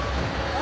あ！